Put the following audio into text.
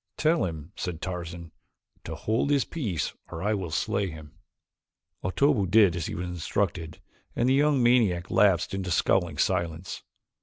"Tell him," said Tarzan, "to hold his peace or I will slay him." Otobu did as he was instructed and the young maniac lapsed into scowling silence.